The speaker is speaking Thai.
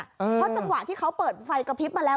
เพราะจังหวะที่เขาเปิดไฟกระพริบมาแล้ว